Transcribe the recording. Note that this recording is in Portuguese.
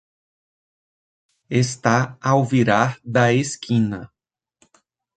Está ao virar da esquina.